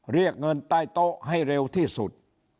เรียกเงินใต้โต๊ะให้เร็วที่สุด